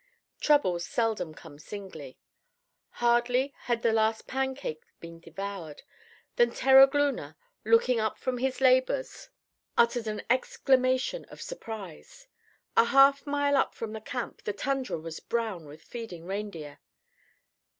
Troubles seldom come singly. Hardly had the last pancake been devoured, than Terogloona, looking up from his labors, uttered an exclamation of surprise. A half mile up from the camp the tundra was brown with feeding reindeer.